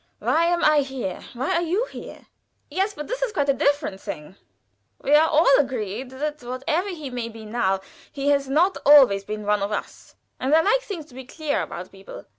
Why am I here? Why are you here?" "Yes; but this is quite a different thing. We are all agreed that whatever he may be now, he has not always been one of us, and I like things to be clear about people."